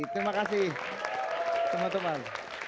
terima kasih teman teman